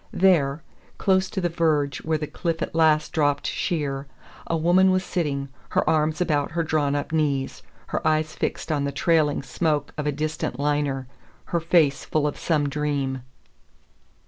There, close to the verge where the cliff at last dropped sheer, a woman was sitting, her arms about her drawn up knees, her eyes fixed on the trailing smoke of a distant liner, her face full of some dream.